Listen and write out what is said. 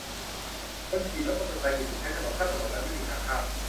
คนขี่รถมอเตอร์ไซค์มีสิทธิ์ใช้ถนน ถ้าถนนนั้นไม่มีทางข้าม